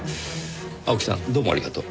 青木さんどうもありがとう。